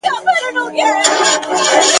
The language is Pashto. دوی هڅه کوي چي د همدې شخص یې وښيي !.